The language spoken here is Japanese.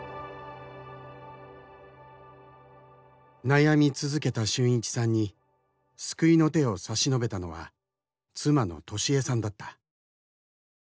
悩み続けた春一さんに救いの手を差し伸べたのは妻の登志枝さんだった。